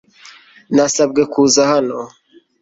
Nasabwe kuza hano